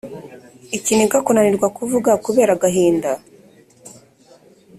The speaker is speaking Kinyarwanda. ikiniga: kunanirwa kuvuga kubera agahinda